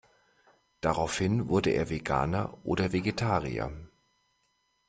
Daraufhin wurde er Veganer oder Vegetarier.